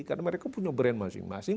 karena mereka punya brand masing masing